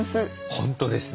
本当ですね。